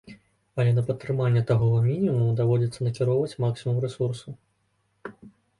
Але на падтрыманне такога мінімуму даводзіцца накіроўваць максімум рэсурсаў.